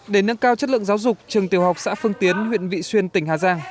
để nâng cao chất lượng giáo dục trường tiểu học xã phương tiến huyện vị xuyên tỉnh hà giang